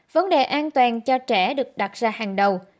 vấn đề an toàn cho trẻ được đặt ra hàng đầu